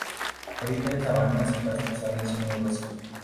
Habita en sabanas y pastizales húmedos.